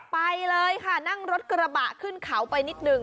ไปเลยค่ะนั่งรถกระบะขึ้นเขาไปนิดนึง